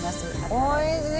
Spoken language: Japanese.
おいしい。